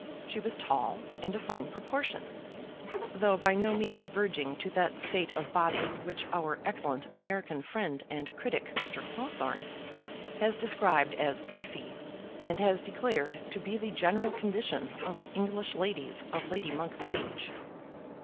She was tall and of fine proportion, though by no means verging to that state of body which our excellent American friend and critic Mr. Hawthorne has described as beefy and has declared to be the general condition of English ladies of Lady Monk's age.